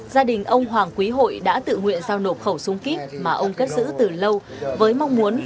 gia đình ông hoàng quý hội đã tự nguyện giao nộp khẩu súng kíp mà ông cất giữ từ lâu với mong muốn